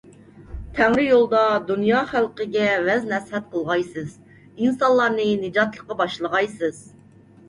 تەڭرى يولىدا دۇنيا خەلقىگە ۋەز - نەسىھەت قىلغايسىز، ئىنسانلارنى نىجاتلىققا باشلىغايسىز.